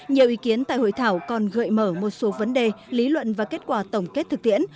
nhiều ý kiến tại hội thảo còn gợi mở một số vấn đề lý luận và kết quả tổng kết thực tiễn